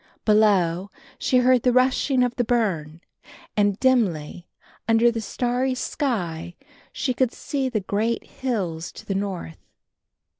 Below, she heard the rushing of the burn, and, dimly, under the starry sky she could see the great hills to the north.